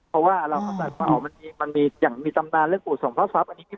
เพราะว่าเราก็จัดเปล่ามันมีอย่างมีตำนานเรื่องอุดสมภาพ